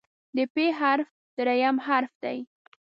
د "پ" حرف دریم حرف دی.